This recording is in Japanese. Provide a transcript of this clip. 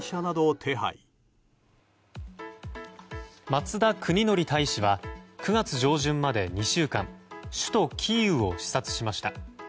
松田邦紀大使は９月上旬まで２週間首都キーウを視察しました。